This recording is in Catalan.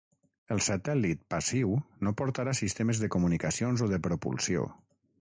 El satèl·lit passiu no portarà sistemes de comunicacions o de propulsió.